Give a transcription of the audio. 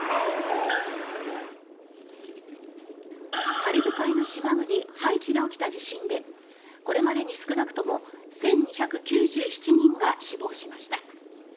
カリブ海の島国ハイチで起きた地震でこれまでに少なくとも１２９７人が死亡しました。